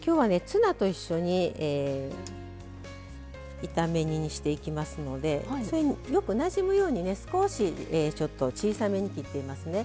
ツナと一緒に炒め煮にしていきますのでそれによくなじむように少しちょっと小さめに切っていますね。